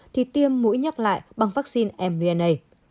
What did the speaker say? thì tiêm mũi nhắc lại bằng vắc xin mrna